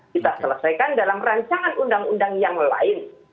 kita selesaikan dalam rancangan undang undang yang lain